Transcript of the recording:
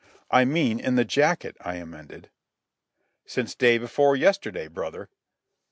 "I mean in the jacket," I amended. "Since day before yesterday, brother."